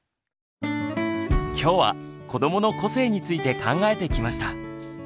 きょうは「子どもの個性」について考えてきました。